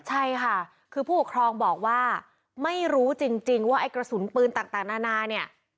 ใช่ค่ะคือผู้ปกครองบอกว่าไม่รู้จริงว่าไอ้กระสุนปืนต่างนานาเนี่ย